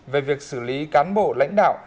về việc xử lý cán bộ lãnh đạo